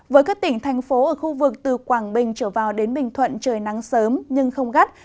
với các tỉnh thành phố ở khu vực từ quảng bình trở vào đến bình thuận trời nắng sớm nhưng không gắt